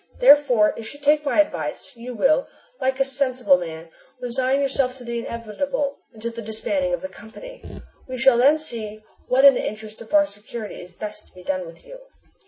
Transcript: Therefore, if you take my advice, you will, like a sensible man, resign yourself to the inevitable until the disbanding of the company. We shall then see what in the interest of our security is best to be done with you!"